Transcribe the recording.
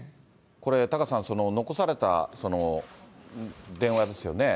タカさん、残された電話ですよね。